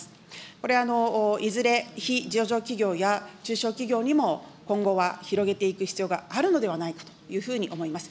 これ、いずれ非上場企業や中小企業にも今後は広げていく必要があるのではないかというふうに思います。